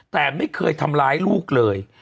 แต่ไม่เคยทำร้ายลูกเลย